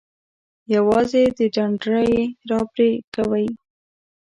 یوازې د ډنډره یی را پرې کوئ.